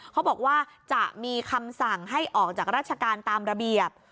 เขาบอกว่าจะมีคำสั่งให้ออกจากราชการตามระเบียบ